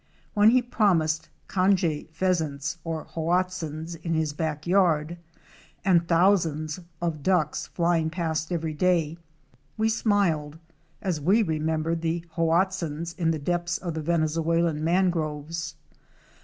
When he promised '"'Canje Pheasants,'' or Hoatzins " in his back yard, and thousands of Ducks flying past every day, we smiled as we remembered the Hoatzins in the depths of the Venezuelan mangroves.